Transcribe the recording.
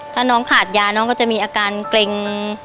ถ้าน้องขาดยาน้องก็จะมีอาการเกร็ง